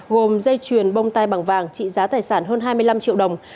gồm dây chuyền bông tai bằng vàng trị giá tài sản hơn hai mươi năm triệu đồng